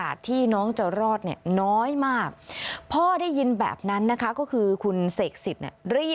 พาพนักงานสอบสวนสนราชบุรณะพาพนักงานสอบสวนสนราชบุรณะ